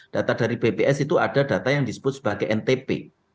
data dari bps itu ada data yang disebut sebagai ntp